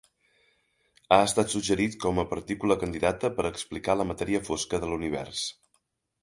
Ha estat suggerit com a partícula candidata per a explicar la matèria fosca de l'univers.